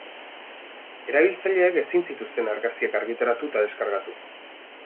Erabiltzaileek ezin zituzten argazkiak argitaratu eta deskargatu.